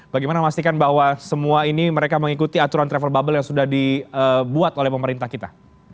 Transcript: bagaimana memastikan bahwa semua ini mereka mengikuti aturan travel bubble yang sudah dibuat oleh pemerintah kita